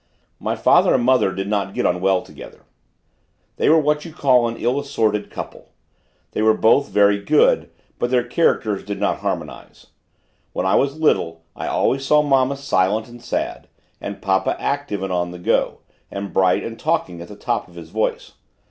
My father and mother did not get on well together. They were what you call an ill assorted couple. They were both very good, but their characters did not harmonise. When I was little I always saw mamma silent and sad, and papa active and on the go, and bright and talking at the top of his voice.